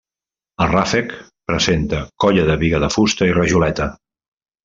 El ràfec presenta colla de biga de fusta i rajoleta.